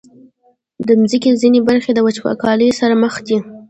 د مځکې ځینې برخې د وچکالۍ سره مخ دي.